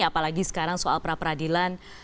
apalagi sekarang soal pra peradilan